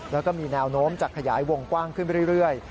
แล้วก็มีแนวโน้มจะขยายวงกว้างขึ้นไปเรื่อย